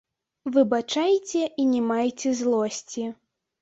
Выбачайце і не майце злосці.